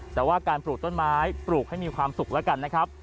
แต่ว่าการปลูกต้นไม้ปลูกให้มีความสุขแล้วกันนะครับ